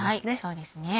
そうですね。